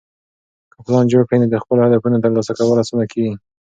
که پلان جوړ کړې، نو د خپلو هدفونو ترلاسه کول اسانه کېږي.